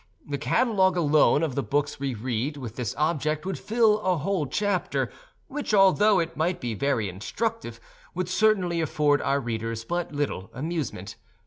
The catalogue alone of the books we read with this object would fill a whole chapter, which, although it might be very instructive, would certainly afford our readers but little amusement.